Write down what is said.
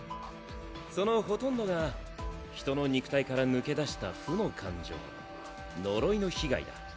そのほとんどが人の肉体から抜け出した負の感情呪いの被害だ。